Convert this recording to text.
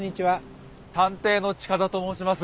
探偵の近田と申します。